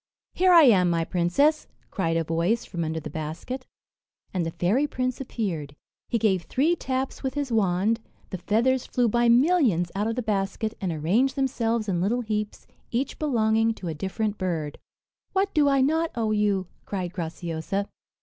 "Here I am, my princess," cried a voice from under the basket; and the fairy prince appeared. He gave three taps with his wand the feathers flew by millions out of the basket, and arranged themselves in little heaps, each belonging to a different bird. "What do I not owe you?" cried Graciosa.